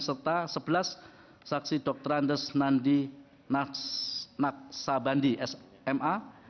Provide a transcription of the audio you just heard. serta sebelas saksi dokterandes nandi naksabandi sma